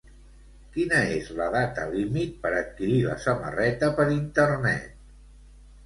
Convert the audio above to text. Quina és la data límit per adquirir la samarreta per internet?